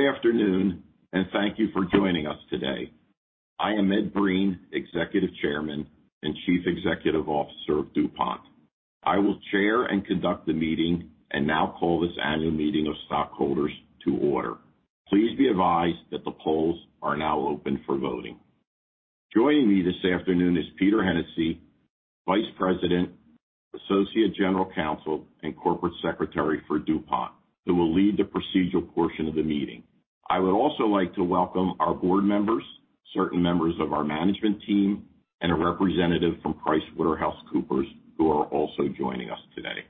Good afternoon. Thank you for joining us today. I am Ed Breen, Executive Chairman and Chief Executive Officer of DuPont. I will Chair and conduct the meeting and now call this Annual Meeting of Stockholders to order. Please be advised that the polls are now open for voting. Joining me this afternoon is Peter Hennessey, Vice President, Associate General Counsel, and Corporate Secretary for DuPont, who will lead the procedural portion of the meeting. I would also like to welcome our Board members, certain members of our management team, and a representative from PricewaterhouseCoopers, who are also joining us today.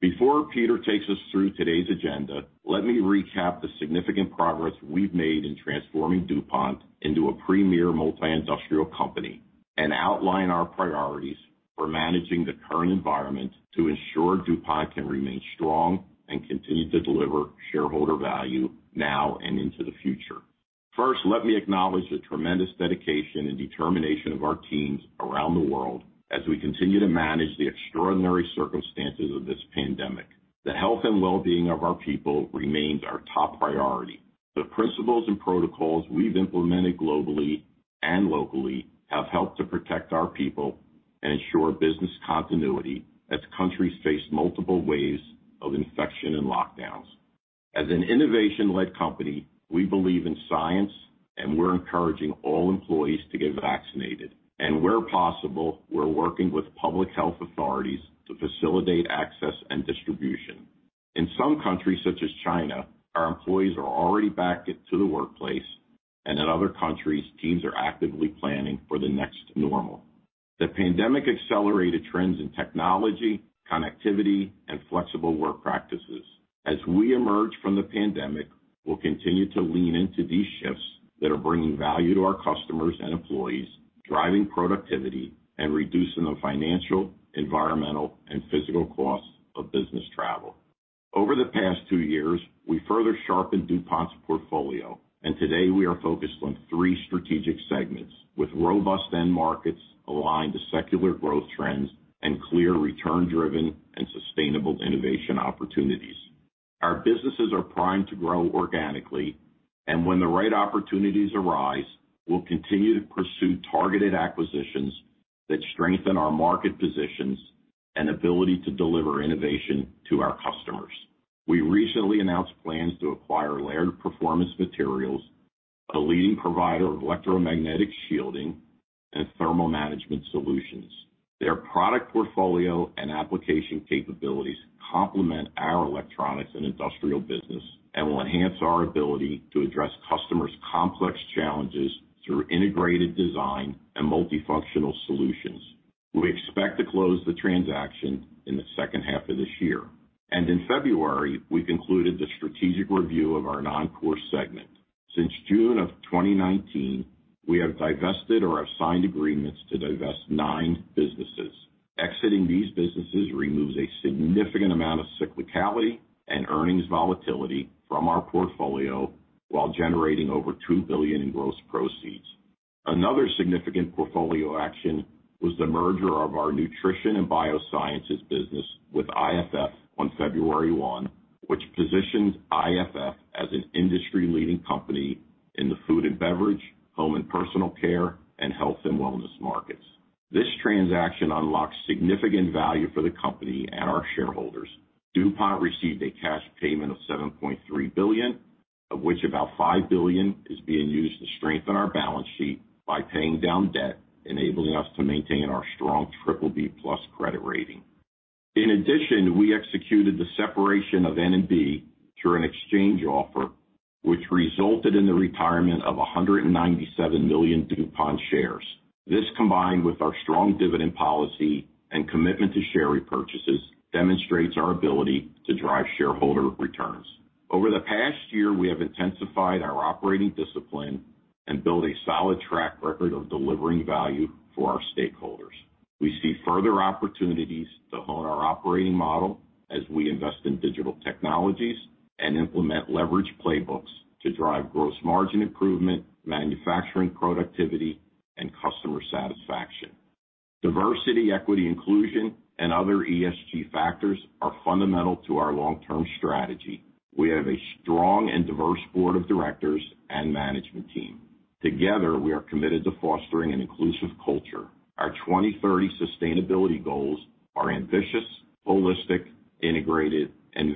Before Peter takes us through today's agenda, let me recap the significant progress we've made in transforming DuPont into a premier multi-industrial company and outline our priorities for managing the current environment to ensure DuPont can remain strong and continue to deliver shareholder value now and into the future. First, let me acknowledge the tremendous dedication and determination of our teams around the world as we continue to manage the extraordinary circumstances of this pandemic. The health and well-being of our people remains our top priority. The principles and protocols we've implemented globally and locally have helped to protect our people and ensure business continuity as countries face multiple waves of infection and lockdowns. As an innovation-led company, we believe in science, and we're encouraging all employees to get vaccinated. Where possible, we're working with public health authorities to facilitate access and distribution. In some countries, such as China, our employees are already back into the workplace, and in other countries, teams are actively planning for the next normal. The pandemic accelerated trends in technology, connectivity, and flexible work practices. As we emerge from the pandemic, we'll continue to lean into these shifts that are bringing value to our customers and employees, driving productivity, and reducing the financial, environmental, and physical costs of business travel. Over the past two years, we further sharpened DuPont's portfolio, and today we are focused on three strategic segments with robust end markets aligned to secular growth trends and clear return-driven and sustainable innovation opportunities. Our businesses are primed to grow organically, and when the right opportunities arise, we'll continue to pursue targeted acquisitions that strengthen our market positions and ability to deliver innovation to our customers. We recently announced plans to acquire Laird Performance Materials, a leading provider of electromagnetic shielding and thermal management solutions. Their product portfolio and application capabilities complement our Electronics & Industrial business and will enhance our ability to address customers' complex challenges through integrated design and multifunctional solutions. We expect to close the transaction in the second half of this year. In February, we concluded the strategic review of our non-core segment. Since June of 2019, we have divested or have signed agreements to divest nine businesses. Exiting these businesses removes a significant amount of cyclicality and earnings volatility from our portfolio while generating over $2 billion in gross proceeds. Another significant portfolio action was the merger of our Nutrition & Biosciences business with IFF on February 1, which positions IFF as an industry-leading company in the food and beverage, home and personal care, and health and wellness markets. This transaction unlocks significant value for the company and our shareholders. DuPont received a cash payment of $7.3 billion, of which about $5 billion is being used to strengthen our balance sheet by paying down debt, enabling us to maintain our strong BBB+ credit rating. We executed the separation of N&B through an exchange offer, which resulted in the retirement of 197 million DuPont shares. This, combined with our strong dividend policy and commitment to share repurchases, demonstrates our ability to drive shareholder returns. Over the past year, we have intensified our operating discipline and built a solid track record of delivering value for our stakeholders. We see further opportunities to hone our operating model as we invest in digital technologies and implement leverage playbooks to drive gross margin improvement, manufacturing productivity, and customer satisfaction. Diversity, equity, inclusion, and other ESG factors are fundamental to our long-term strategy. We have a strong and diverse Board of Directors and management team. Together, we are committed to fostering an inclusive culture. Our 2030 sustainability goals are ambitious, holistic, integrated, and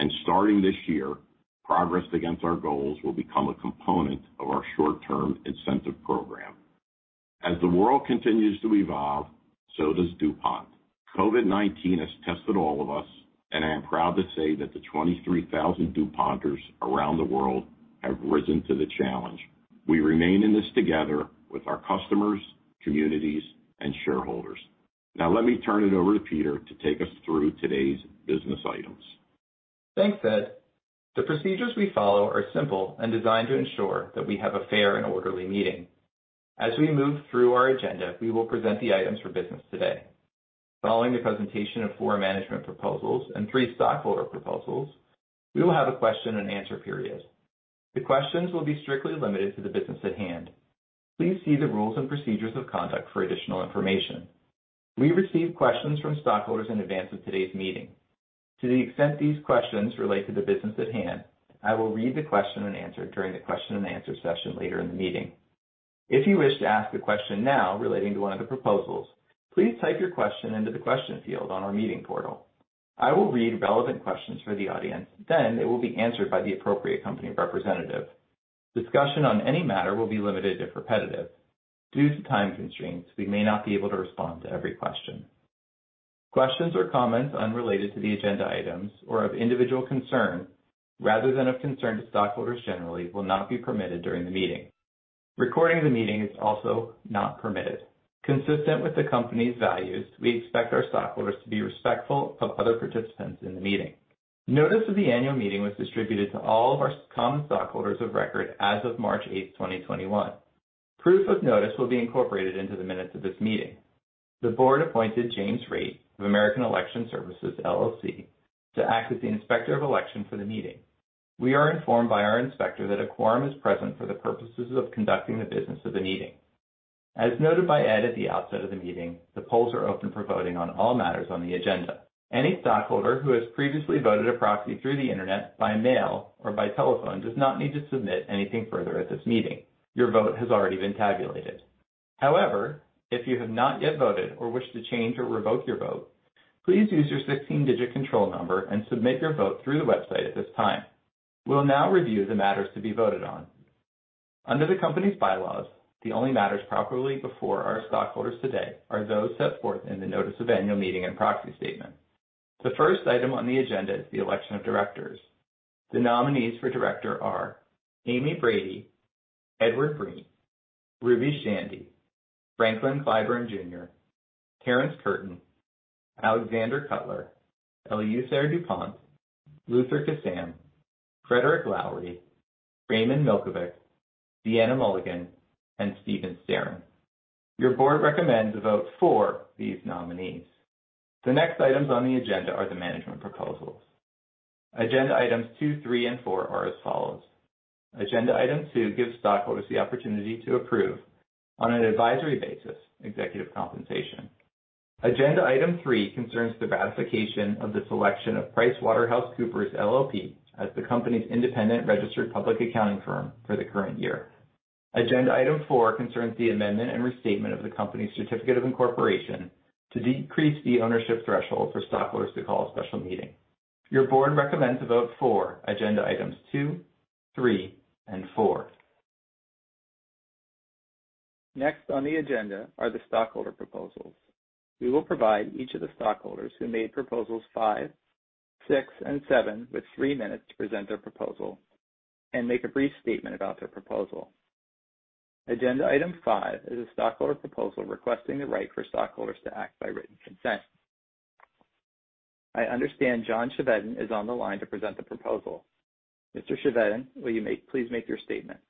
value-creating. Starting this year, progress against our goals will become a component of our short-term incentive program. As the world continues to evolve, so does DuPont. COVID-19 has tested all of us, and I am proud to say that the 23,000 DuPonters around the world have risen to the challenge. We remain in this together with our customers, communities, and shareholders. Let me turn it over to Peter to take us through today's business items. Thanks, Ed. The procedures we follow are simple and designed to ensure that we have a fair and orderly meeting. As we move through our agenda, we will present the items for business today. Following the presentation of four management proposals and three stockholder proposals, we will have a question-and-answer period. The questions will be strictly limited to the business at hand. Please see the rules and procedures of conduct for additional information. We received questions from stockholders in advance of today's meeting. To the extent these questions relate to the business at hand, I will read the question and answer during the question-and-answer session later in the meeting. If you wish to ask a question now relating to one of the proposals, please type your question into the question field on our meeting portal. I will read relevant questions for the audience. It will be answered by the appropriate company representative. Discussion on any matter will be limited if repetitive. Due to time constraints, we may not be able to respond to every question. Questions or comments unrelated to the agenda items or of individual concern, rather than of concern to stockholders generally, will not be permitted during the meeting. Recording the meeting is also not permitted. Consistent with the company's values, we expect our stockholders to be respectful of other participants in the meeting. Notice of the annual meeting was distributed to all of our common stockholders of record as of March 8th, 2021. Proof of notice will be incorporated into the minutes of this meeting. The Board appointed James Raitt of American Election Services, LLC, to act as the Inspector of Election for the meeting. We are informed by our Inspector that a quorum is present for the purposes of conducting the business of the meeting. As noted by Ed at the outset of the meeting, the polls are open for voting on all matters on the agenda. Any stockholder who has previously voted a proxy through the internet, by mail, or by telephone does not need to submit anything further at this meeting. Your vote has already been tabulated. However, if you have not yet voted or wish to change or revoke your vote, please use your 16-digit control number and submit your vote through the website at this time. We'll now review the matters to be voted on. Under the company's bylaws, the only matters properly before our stockholders today are those set forth in the notice of annual meeting and proxy statement. The first item on the agenda is the election of directors. The nominees for director are Amy Brady, Edward Breen, Ruby Chandy, Franklin Clyburn, Jr., Terrence Curtin, Alexander Cutler, Eleuthère du Pont, Luther Kissam, Frederick Lowery, Raymond Milchovich, Deanna Mulligan, and Steven Sterin. Your Board recommends a vote for these nominees. The next items on the agenda are the management proposals. Agenda Items 2, 3, and 4 are as follows. Agenda Item 2 gives stockholders the opportunity to approve on an advisory basis executive compensation. Agenda Item 3 concerns the ratification of the selection of PricewaterhouseCoopers, LLP as the company's independent registered public accounting firm for the current year. Agenda Item 4 concerns the amendment and restatement of the company's certificate of incorporation to decrease the ownership threshold for stockholders to call a special meeting. Your Board recommends a vote for Agenda Items 2, 3, and 4. Next on the agenda are the stockholder proposals. We will provide each of the stockholders who made Proposals 5, 6, and 7 with three minutes to present their proposal and make a brief statement about their proposal. Agenda Item 5 is a stockholder proposal requesting the right for stockholders to act by written consent. I understand John Chevedden is on the line to present the proposal. Mr. Chevedden, will you please make your statement?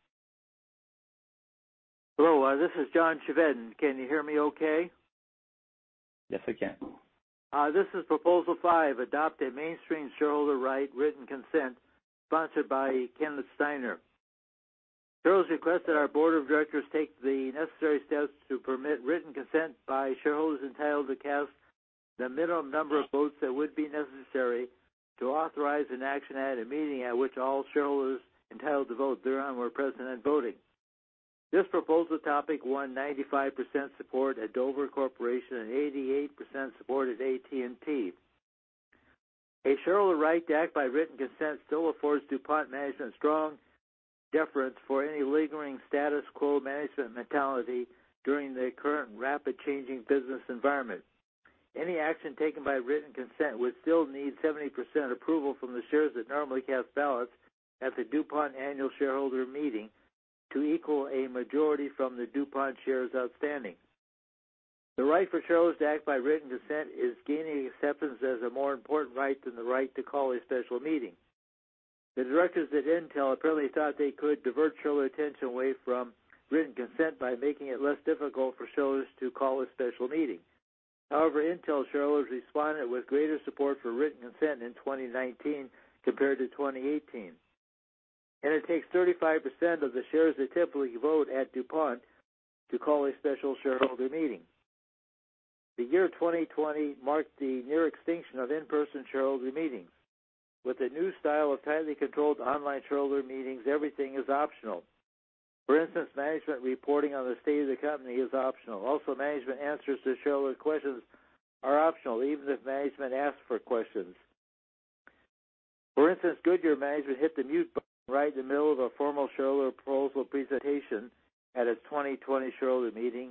Hello, this is John Chevedden. Can you hear me okay? Yes, I can. This is Proposal 5, adopt a mainstream shareholder right written consent, sponsored by Kenneth Steiner. Shareholders request that our Board of Directors take the necessary steps to permit written consent by shareholders entitled to cast the minimum number of votes that would be necessary to authorize an action at a meeting at which all shareholders entitled to vote thereon were present and voting. This proposal topic won 95% support at Dover Corporation and 88% support at AT&T. A shareholder right to act by written consent still affords DuPont management strong deference for any lingering status quo management mentality during the current rapid changing business environment. Any action taken by written consent would still need 70% approval from the shares that normally cast ballots at the DuPont Annual Shareholder meeting to equal a majority from the DuPont shares outstanding. The right for shareholders to act by written consent is gaining acceptance as a more important right than the right to call a special meeting. The directors at Intel apparently thought they could divert shareholder attention away from written consent by making it less difficult for shareholders to call a special meeting. However, Intel shareholders responded with greater support for written consent in 2019 compared to 2018. It takes 35% of the shares that typically vote at DuPont to call a special shareholder meeting. The year 2020 marked the near extinction of in-person shareholder meetings. With the new style of tightly controlled online shareholder meetings, everything is optional. For instance, management reporting on the state of the company is optional. Also, management answers to shareholder questions are optional, even if management asks for questions. For instance, Goodyear management hit the mute button right in the middle of a formal shareholder proposal presentation at a 2020 shareholder meeting,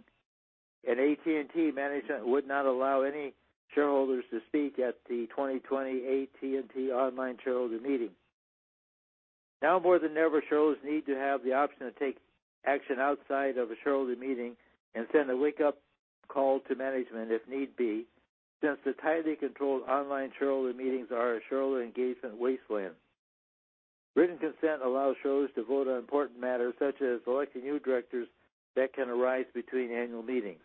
and AT&T management would not allow any shareholders to speak at the 2020 AT&T online shareholder meeting. Now more than ever, shareholders need to have the option to take action outside of a shareholder meeting and send a wake-up call to management if need be, since the tightly controlled online shareholder meetings are a shareholder engagement wasteland. Written consent allows shareholders to vote on important matters such as electing new directors that can arise between annual meetings.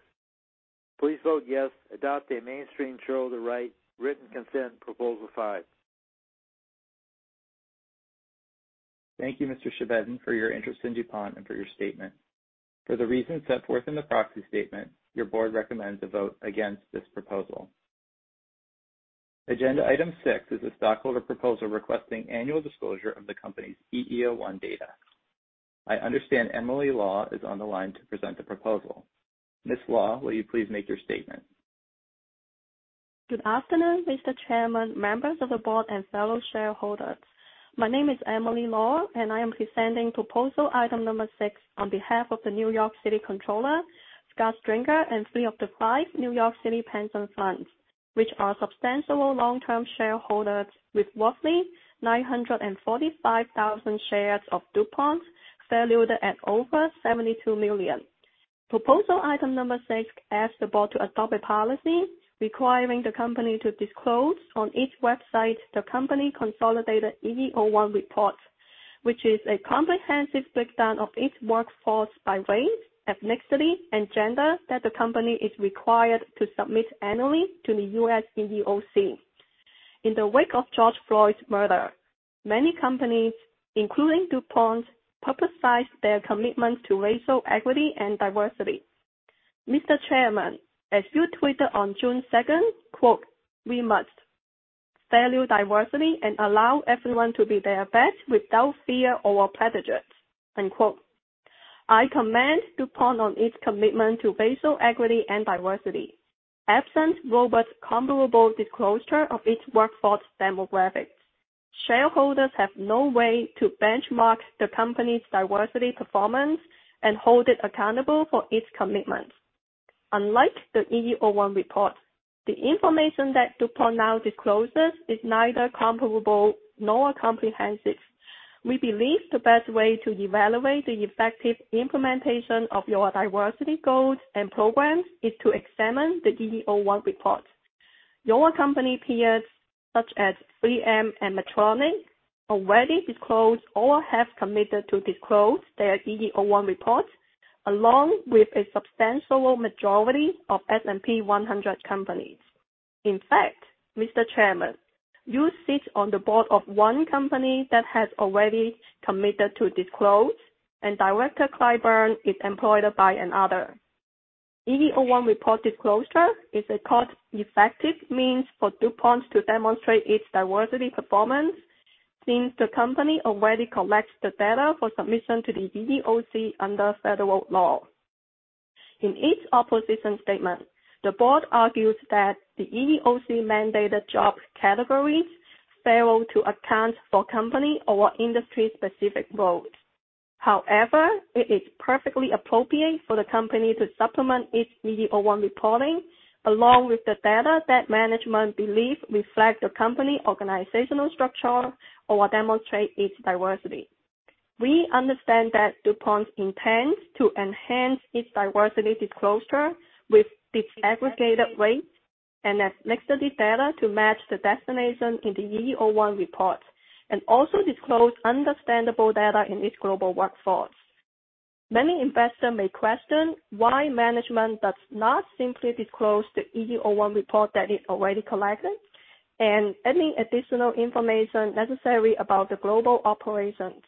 Please vote yes, adopt a mainstream shareholder right written consent Proposal 5. Thank you, Mr. Chevedden, for your interest in DuPont and for your statement. For the reasons set forth in the proxy statement, your Board recommends a vote against this proposal. Agenda Item 6 is a stockholder proposal requesting annual disclosure of the company's EEO-1 data. I understand Emily Law is on the line to present the proposal. Ms. Law, will you please make your statement? Good afternoon, Mr. Chairman, members of the Board, and fellow shareholders. My name is Emily Law, and I am presenting Proposal Item Number 6 on behalf of the New York City Comptroller, Scott Stringer, and three of the five New York City pension funds, which are substantial long-term shareholders with roughly 945,000 shares of DuPont, valued at over $72 million. Proposal Item Number 6 asks the Board to adopt a policy requiring the company to disclose on its website the company consolidated EEO-1 reports, which is a comprehensive breakdown of its workforce by race, ethnicity, and gender that the company is required to submit annually to the U.S. EEOC. In the wake of George Floyd's murder, many companies, including DuPont, publicized their commitment to racial equity and diversity. Mr. Chairman, as you tweeted on June 2nd, "We must value diversity and allow everyone to be their best without fear or prejudice." I commend DuPont on its commitment to racial equity and diversity. Absent robust, comparable disclosure of its workforce demographics, shareholders have no way to benchmark the company's diversity performance and hold it accountable for its commitments. Unlike the EEO-1 report, the information that DuPont now discloses is neither comparable nor comprehensive. We believe the best way to evaluate the effective implementation of your diversity goals and programs is to examine the EEO-1 report. Your company peers, such as 3M and Medtronic, already disclose or have committed to disclose their EEO-1 reports, along with a substantial majority of S&P 100 companies. In fact, Mr. Chairman, you sit on the Board of one company that has already committed to disclose, and Director Clyburn is employed by another. EEO-1 report disclosure is a cost-effective means for DuPont to demonstrate its diversity performance, since the company already collects the data for submission to the EEOC under federal law. In its opposition statement, the Board argues that the EEOC-mandated job categories fail to account for company or industry-specific roles. However, it is perfectly appropriate for the company to supplement its EEO-1 reporting along with the data that management believes reflects the company organizational structure or demonstrates its diversity. We understand that DuPont intends to enhance its diversity disclosure with disaggregated race and ethnicity data to match the designation in the EEO-1 report, and also disclose understandable data in its global workforce. Many investors may question why management does not simply disclose the EEO-1 report that is already collected and any additional information necessary about the global operations.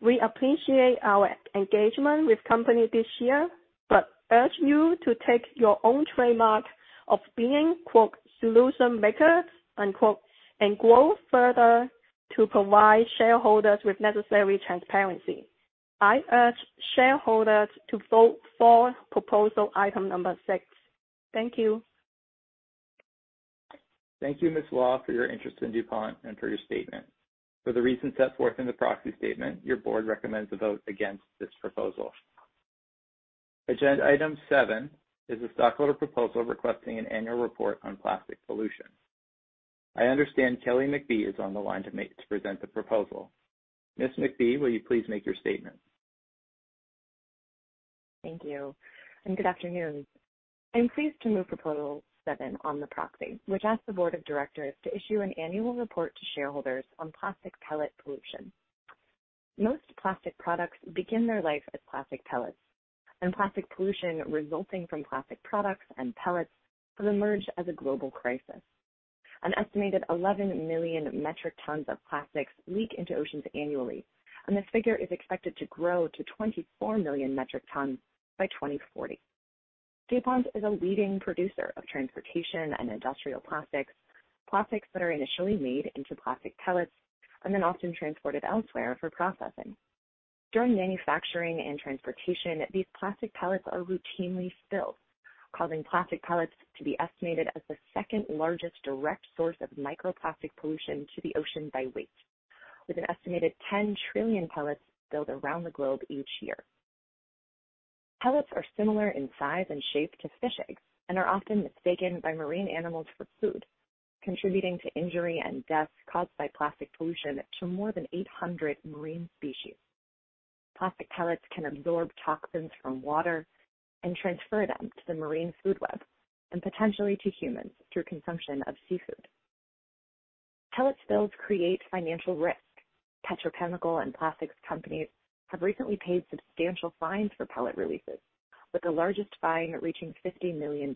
We appreciate our engagement with company this year, urge you to take your own trademark of being, ''solution makers,'' and go further to provide shareholders with necessary transparency. I urge shareholders to vote for Proposal Item Number 6. Thank you. Thank you, Ms. Law, for your interest in DuPont and for your statement. For the reasons set forth in the proxy statement, your Board recommends a vote against this proposal. Agenda Item 7 is a stockholder proposal requesting an annual report on plastic pollution. I understand Kelly McBee is on the line to present the proposal. Ms. McBee, will you please make your statement? Thank you, and good afternoon. I'm pleased to move Proposal 7 on the proxy, which asks the Board of Directors to issue an annual report to shareholders on plastic pellet pollution. Most plastic products begin their life as plastic pellets, and plastic pollution resulting from plastic products and pellets has emerged as a global crisis. An estimated 11 million metric tons of plastics leak into oceans annually, and this figure is expected to grow to 24 million metric tons by 2040. DuPont is a leading producer of transportation and industrial plastics that are initially made into plastic pellets and then often transported elsewhere for processing. During manufacturing and transportation, these plastic pellets are routinely spilled, causing plastic pellets to be estimated as the second-largest direct source of microplastic pollution to the ocean by weight, with an estimated 10 trillion pellets spilled around the globe each year. Pellets are similar in size and shape to fish eggs and are often mistaken by marine animals for food, contributing to injury and death caused by plastic pollution to more than 800 marine species. Plastic pellets can absorb toxins from water and transfer them to the marine food web and potentially to humans through consumption of seafood. Pellet spills create financial risk. Petrochemical and plastics companies have recently paid substantial fines for pellet releases, with the largest fine reaching $50 million.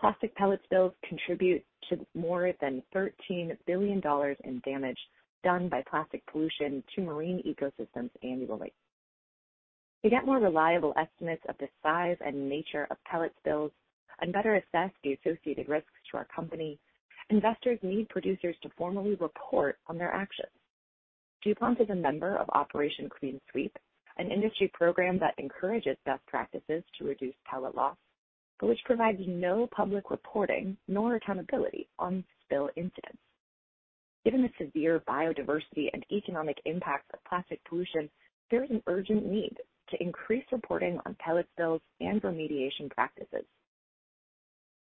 Plastic pellet spills contribute to more than $13 billion in damage done by plastic pollution to marine ecosystems annually. To get more reliable estimates of the size and nature of pellet spills and better assess the associated risks to our company, investors need producers to formally report on their actions. DuPont is a member of Operation Clean Sweep, an industry program that encourages best practices to reduce pellet loss, which provides no public reporting nor accountability on spill incidents. Given the severe biodiversity and economic impacts of plastic pollution, there is an urgent need to increase reporting on pellet spills and remediation practices.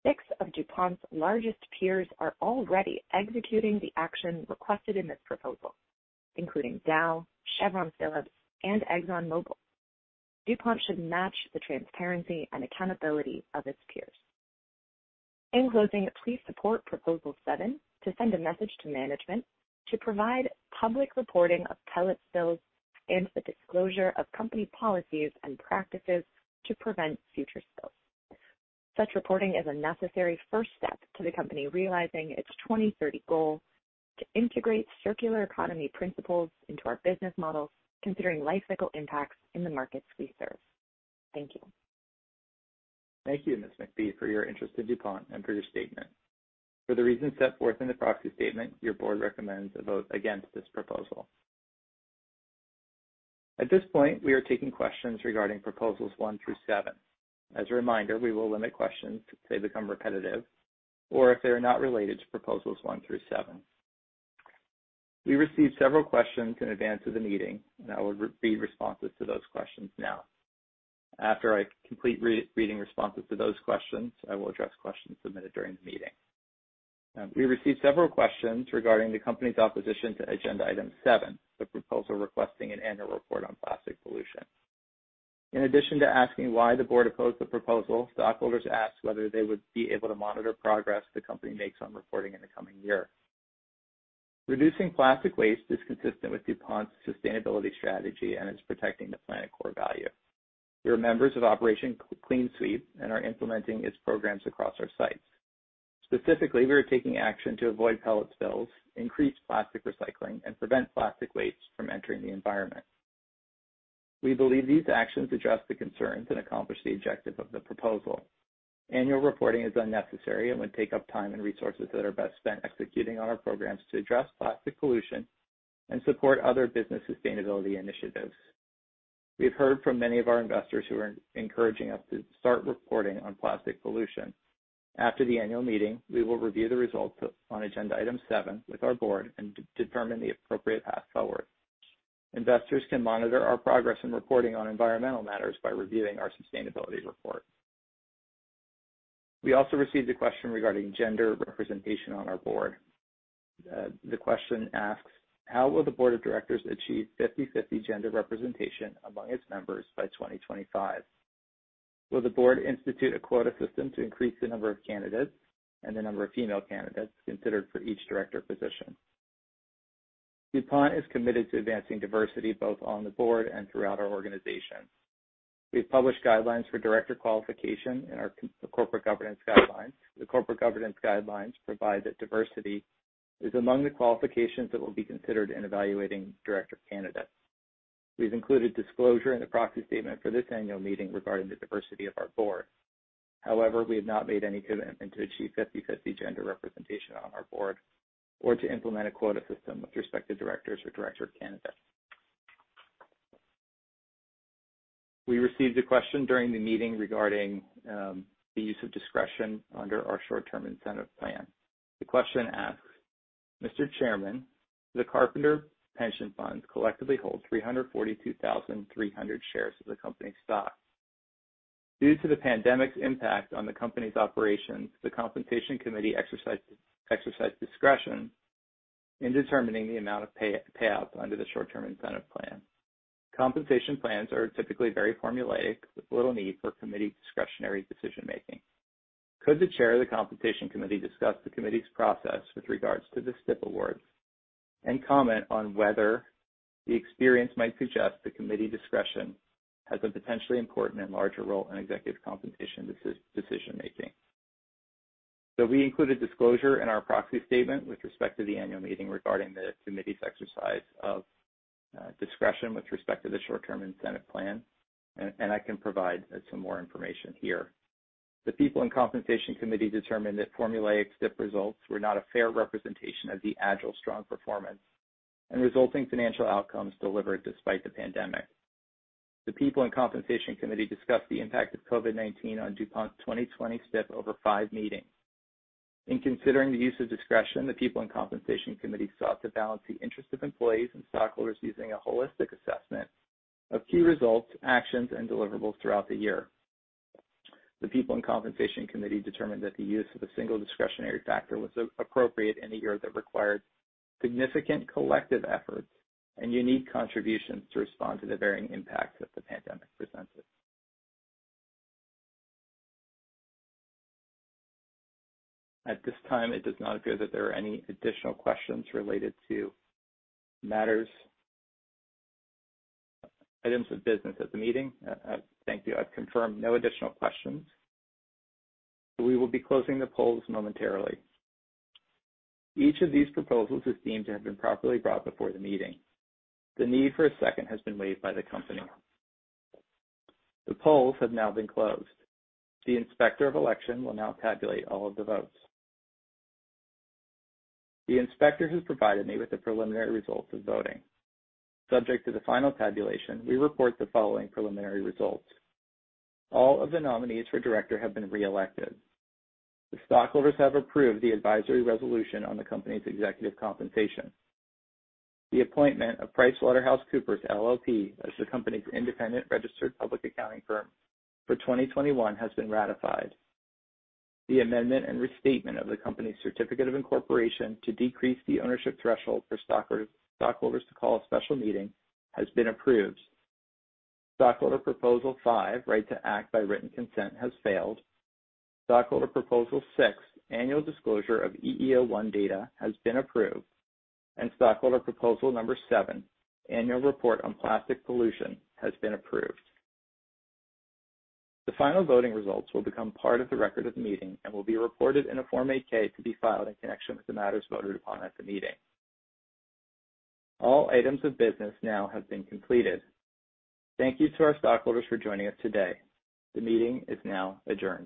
Six of DuPont's largest peers are already executing the action requested in this proposal, including Dow, Chevron Phillips, and ExxonMobil. DuPont should match the transparency and accountability of its peers. In closing, please support Proposal 7 to send a message to management to provide public reporting of pellet spills and the disclosure of company policies and practices to prevent future spills. Such reporting is a necessary first step to the company realizing its 2030 goal to integrate circular economy principles into our business models, considering life cycle impacts in the markets we serve. Thank you. Thank you, Ms. McBee, for your interest in DuPont and for your statement. For the reasons set forth in the proxy statement, your Board recommends a vote against this proposal. At this point, we are taking questions regarding Proposals 1 through 7. As a reminder, we will limit questions if they become repetitive or if they are not related to Proposals 1 through 7. We received several questions in advance of the meeting, and I will read responses to those questions now. After I complete reading responses to those questions, I will address questions submitted during the meeting. We received several questions regarding the company's opposition to Agenda Item 7, the proposal requesting an annual report on plastic pollution. In addition to asking why the Board opposed the proposal, stockholders asked whether they would be able to monitor progress the company makes on reporting in the coming year. Reducing plastic waste is consistent with DuPont's sustainability strategy and its protecting the planet core value. We are members of Operation Clean Sweep and are implementing its programs across our sites. Specifically, we are taking action to avoid pellet spills, increase plastic recycling, and prevent plastic waste from entering the environment. We believe these actions address the concerns and accomplish the objective of the proposal. Annual reporting is unnecessary and would take up time and resources that are best spent executing on our programs to address plastic pollution and support other business sustainability initiatives. We have heard from many of our investors who are encouraging us to start reporting on plastic pollution. After the annual meeting, we will review the results on Agenda Item 7 with our Board and determine the appropriate path forward. Investors can monitor our progress in reporting on environmental matters by reviewing our Sustainability Report. We also received a question regarding gender representation on our Board. The question asks, "How will the Board of Directors achieve 50/50 gender representation among its members by 2025? Will the Board institute a quota system to increase the number of candidates and the number of female candidates considered for each director position?" DuPont is committed to advancing diversity both on the Board and throughout our organization. We have published guidelines for Director qualification in our corporate governance guidelines. The corporate governance guidelines provide that diversity is among the qualifications that will be considered in evaluating Director candidates. We've included disclosure in the proxy statement for this annual meeting regarding the diversity of our Board. However, we have not made any commitment to achieve 50/50 gender representation on our Board or to implement a quota system with respect to Directors or Director candidates. We received a question during the meeting regarding the use of discretion under our short-term incentive plan. The question asks, "Mr. Chairman, the Carpenter Pension Fund collectively holds 342,300 shares of the company stock. Due to the pandemic's impact on the company's operations, the Compensation Committee exercised discretion in determining the amount of payout under the short-term incentive plan. Compensation plans are typically very formulaic with little need for committee discretionary decision-making. Could the Chair of the Compensation Committee discuss the committee's process with regards to the STIP awards and comment on whether the experience might suggest that committee discretion has a potentially important and larger role in executive compensation decision-making?" We included disclosure in our proxy statement with respect to the annual meeting regarding the committee's exercise of discretion with respect to the short-term incentive plan. I can provide some more information here. The People and Compensation Committee determined that formulaic STIP results were not a fair representation of the agile, strong performance and resulting financial outcomes delivered despite the pandemic. The people and Compensation Committee discussed the impact of COVID-19 on DuPont's 2020 STIP over five meetings. In considering the use of discretion, the People and Compensation Committee sought to balance the interest of employees and stockholders using a holistic assessment of key results, actions, and deliverables throughout the year. The People and Compensation Committee determined that the use of a single discretionary factor was appropriate in a year that required significant collective efforts and unique contributions to respond to the varying impacts that the pandemic presented. At this time, it does not appear that there are any additional questions related to matters, items of business at the meeting. Thank you. I've confirmed no additional questions. We will be closing the polls momentarily. Each of these proposals is deemed to have been properly brought before the meeting. The need for a second has been waived by the company. The polls have now been closed. The Inspector of Election will now tabulate all of the votes. The Inspector has provided me with the preliminary results of voting. Subject to the final tabulation, we report the following preliminary results. All of the nominees for director have been reelected. The stockholders have approved the advisory resolution on the company's executive compensation. The appointment of PricewaterhouseCoopers, LLP, as the company's independent registered public accounting firm for 2021 has been ratified. The amendment and restatement of the company's certificate of incorporation to decrease the ownership threshold for stockholders to call a special meeting has been approved. Stockholder Proposal 5, right to act by written consent, has failed. Stockholder Proposal 6, annual disclosure of EEO-1 data, has been approved, and Stockholder Proposal Number 7, annual report on plastic pollution, has been approved. The final voting results will become part of the record of the meeting and will be reported in a Form 8-K to be filed in connection with the matters voted upon at the meeting. All items of business now have been completed. Thank you to our stockholders for joining us today. The meeting is now adjourned.